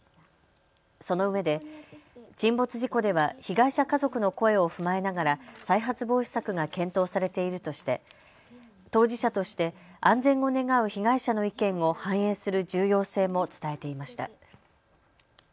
そのうえで沈没事故では被害者家族の声を踏まえながら再発防止策が検討されているとして当事者として安全を願う被害者の意見を反映する重要性も伝えていました。